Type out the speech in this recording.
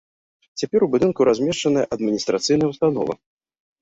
Цяпер у будынку размешчаная адміністрацыйная ўстанова.